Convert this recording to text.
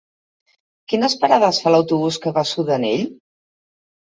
Quines parades fa l'autobús que va a Sudanell?